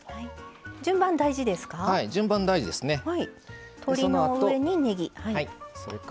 順番、大事ですか？